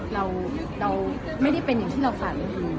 เราไม่ได้เป็นอย่างที่เราฝัน